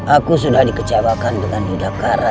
aku sudah dikecewakan dengan yudhakara